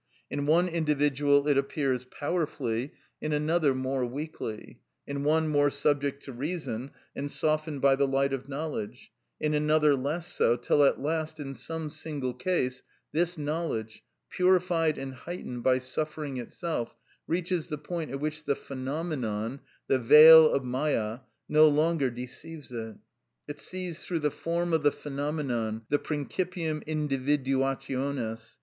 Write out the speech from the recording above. In one individual it appears powerfully, in another more weakly; in one more subject to reason, and softened by the light of knowledge, in another less so, till at last, in some single case, this knowledge, purified and heightened by suffering itself, reaches the point at which the phenomenon, the veil of Mâya, no longer deceives it. It sees through the form of the phenomenon, the principium individuationis.